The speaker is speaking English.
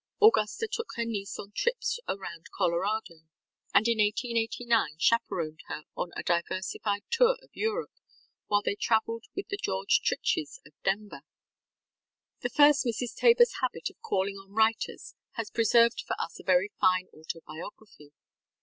Augusta took her niece on trips around Colorado and in 1889 chaperoned her on a diversified tour of Europe while they traveled with the George Tritches of Denver. The first Mrs. TaborŌĆÖs habit of calling on writers has preserved for us a very fine autobiography.